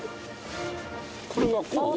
これがこう？